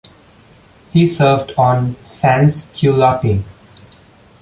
He served on "Sans-Culotte".